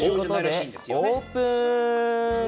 オープン！